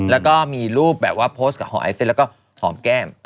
แล้วก็มีรูปแบบว่าโพสต์กับห่อไอซิสแล้วก็หอมแก้ม